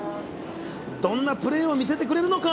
どんなプレーを見せてくれるのか？